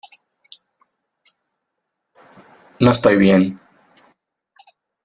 no estoy bien.